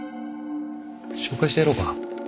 紹介してやろうか？